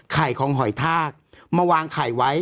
ของหอยทากมาวางไข่ไว้